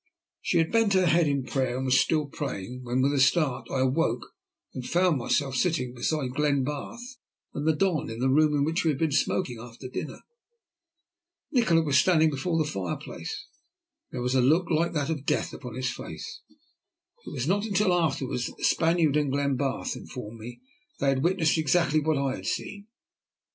She had bent her head in prayer, and was still praying, when with a start I awoke to find myself sitting beside Glenbarth and the Don in the room in which we had been smoking after dinner. Nikola was standing before the fireplace, and there was a look like that of death upon his face. It was not until afterwards that the Spaniard and Glenbarth informed me that they had witnessed exactly what I had seen.